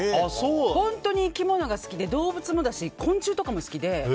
本当に生き物が好きで動物もだし昆虫とかも好きで。